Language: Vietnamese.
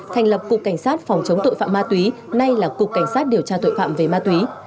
thành lập cục cảnh sát phòng chống tội phạm ma túy nay là cục cảnh sát điều tra tội phạm về ma túy